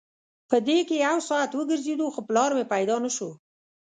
په دې کې یو ساعت وګرځېدو خو پلار مې پیدا نه شو.